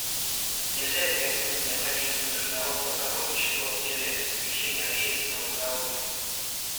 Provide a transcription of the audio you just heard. Нельзя переоценить необходимость международного сотрудничества в деле обеспечения общественного здоровья.